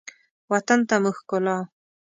وطن ته مو ښکلا